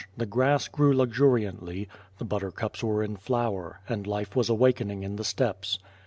The grass grew luxuriantly; the buttercups were in flower, and life was awak ening in the steppes.